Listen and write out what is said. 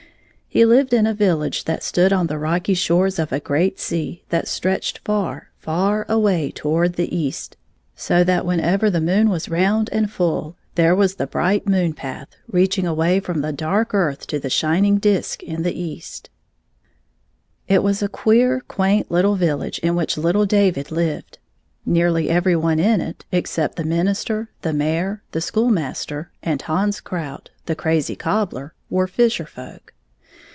He Uved in a vil lage that stood on the rocky shores of a great sea that stretched far, far away toward the east, so that whenever the moon was round and full, there was the bright moon path reaching away from the dark earth to the shining disk in the east lO It was a queer, quaint little village in which little David hved. Nearly every one in it, except the minister, the mayor, the schoolmaster and Hans Bjrout, the crazy cobbler, were fisher folk.